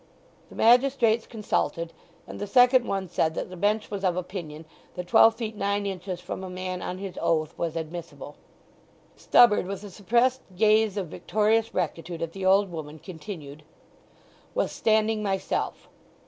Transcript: The magistrates consulted, and the second one said that the bench was of opinion that twelve feet nine inches from a man on his oath was admissible. Stubberd, with a suppressed gaze of victorious rectitude at the old woman, continued: "Was standing myself.